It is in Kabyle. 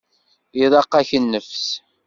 Iḍaq-ak nnefs?